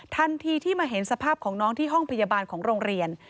ทันทีที่มาเห็นสภาพของน้องที่ห้องพยาบาลของโรงเรียน